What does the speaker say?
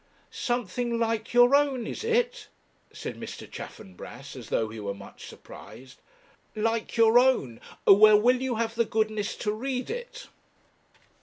'Something like your own, is it?' said Mr. Chaffanbrass, as though he were much surprised. 'Like your own! Well, will you have the goodness to read it?'